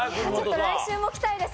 来週も来たいです